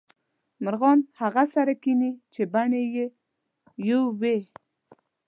مرغان هغه سره کینې چې بڼې یو وې